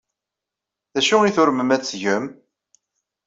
D acu ay turmem ad t-tgem?